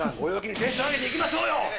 テンション上げていきましょうよ。